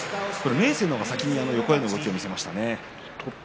明生が先に横への動きを見せました。